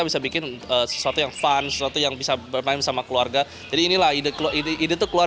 bisa bikin sesuatu yang fun sesuatu yang bisa bermain sama keluarga jadi inilah ide keluar ide tuh keluar